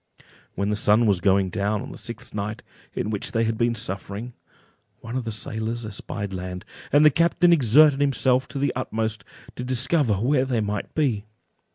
When the sun was going down on the sixth night in which they had been thus suffering, one of the sailors espied land, and the captain exerted himself to the utmost to discover where they might be.